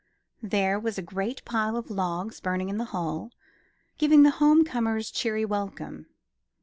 There was a great pile of logs burning in the hall, giving the home comers cheery welcome.